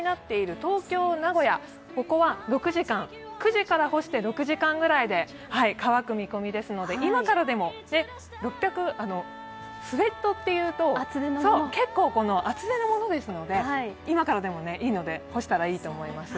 東京、名古屋は９時から干して６時間ぐらいで乾く見込みですのでスエットというと、結構厚手のものですので、今からでもいいので、干したらいいと思います。